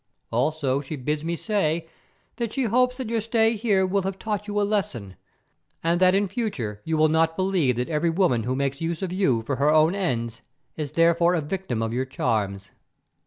Also she bids me say that she hopes that your stay here will have taught you a lesson, and that in future you will not believe that every woman who makes use of you for her own ends is therefore a victim of your charms.